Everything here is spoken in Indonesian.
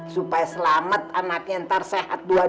supaya selamat anaknya ntar sehat dua